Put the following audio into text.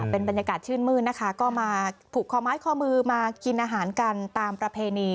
เป็นบรรยากาศชื่นมืดนะคะก็มาผูกคอไม้คอมือมากินอาหารกันตามประเพณี